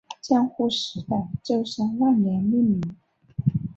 江户时代舟山万年命名。